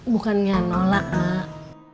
bukannya nolak mak